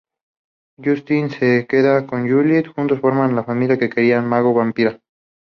Justin se queda con Juliet, juntos formarán la familia que querían, mago-vampira.